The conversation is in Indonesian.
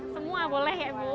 semua boleh ya bu